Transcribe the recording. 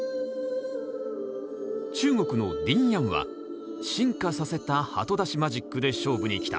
中国のディン・ヤンは進化させたハト出しマジックで勝負にきた。